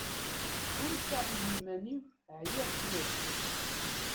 Ḥulfaɣ i yiman-iw ɛyiɣ cwiṭ.